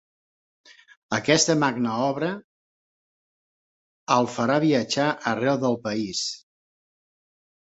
Aquesta magna obra el farà viatjar arreu del país.